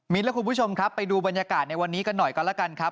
และคุณผู้ชมครับไปดูบรรยากาศในวันนี้กันหน่อยก็แล้วกันครับ